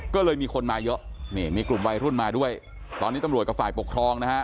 ก็เลยมีคนมาเยอะนี่มีกลุ่มวัยรุ่นมาด้วยตอนนี้ตำรวจกับฝ่ายปกครองนะฮะ